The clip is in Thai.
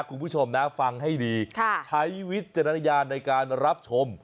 ทุกผู้ชมนะฟังให้ดีค่ะใช้วิทยาลัยรับชม